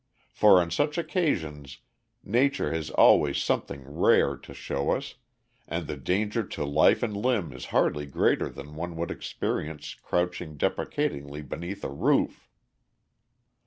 For on such occasions Nature has always something rare to show us, and the danger to life and limb is hardly greater than one would experience crouching deprecatingly beneath a roof."